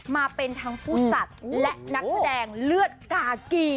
มาเป็นทั้งผู้จัดและนักแสดงเลือดกากี